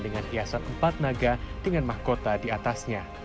dengan hiasan empat naga dengan mahkota di atasnya